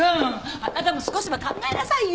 あなたも少しは考えなさいよ！